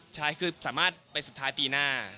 ใช่คือสามารถไปสุดท้ายปีหน้า